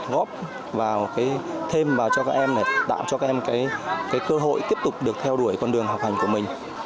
góp vào thêm vào cho các em để tạo cho các em cơ hội tiếp tục được theo đuổi con đường học hành của mình